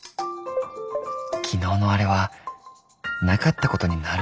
昨日のあれはなかったことになる？